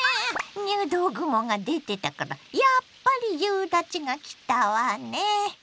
入道雲が出てたからやっぱり夕立ちがきたわね！